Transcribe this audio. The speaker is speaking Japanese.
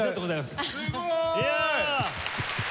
すごい！